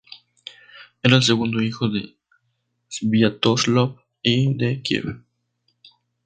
Era el segundo hijo de Sviatoslav I de Kiev.